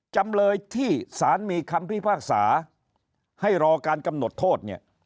จำเลยที่สารมีคำพิพากษาให้รอการกำหนดโทษเนี่ย